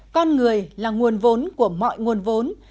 con người là nguồn vốn của mọi nguồn vốn